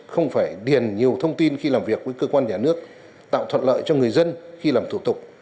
không phải điền nhiều thông tin khi làm việc với cơ quan nhà nước tạo thuận lợi cho người dân khi làm thủ tục